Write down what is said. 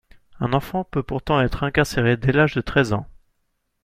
Un enfant peut pourtant être incarcéré dès l’âge de treize ans.